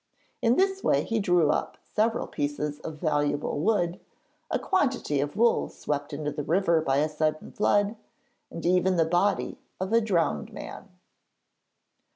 In this way he drew up several pieces of valuable wood, a quantity of wool swept into the river by a sudden flood, and even the body of a drowned man.